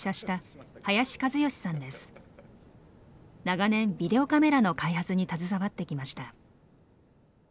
長年ビデオカメラの開発に携わってきました。